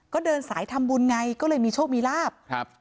ก็เดินสายทำบุญไงก็เลยมีโชคมีลาบครับ